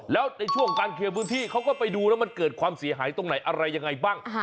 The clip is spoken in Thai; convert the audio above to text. แล้วในช่วงการเคลียร์พื้นที่เขาก็ไปดูแล้วมันเกิดความเสียหายตรงไหนอะไรยังไงบ้าง